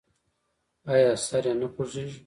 ایا سر یې نه خوږیږي؟